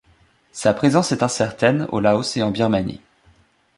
Sa présence est incertaine au Laos et en Birmanie.